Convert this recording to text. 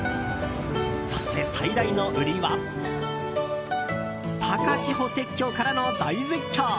そして、最大の売りは高千穂鉄橋からの大絶景！